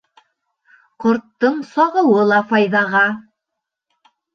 Ҡорттоң сағыуы ла файҙаға.